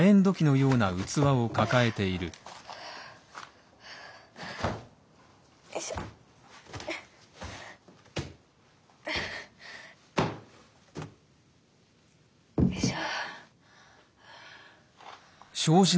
よいしょ。